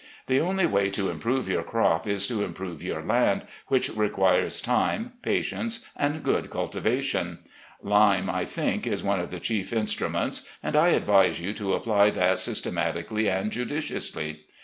The only way to improve your crop is to improve your land, which reqiaires time, patience, and good cultivation. Lime, I think, is one of the chief instruments, and I advise you to apply that systematically and judiciously.